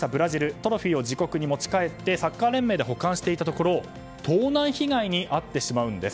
トロフィーを自国に持ち帰ってサッカー連盟で保管していたところ盗難被害に遭ってしまうんです。